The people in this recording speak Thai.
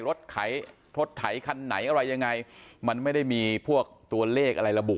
รถไถคันไหนอะไรยังไงมันไม่ได้มีพวกตัวเลขอะไรระบุ